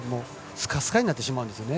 スカスカになってしまうんですよね。